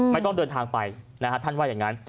ไม่ต้องเดินทางไปนะฮะท่านว่าอย่างนั้น